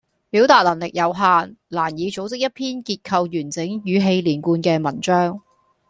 表達能力有限，難以組織一篇結構完整語氣連貫嘅文章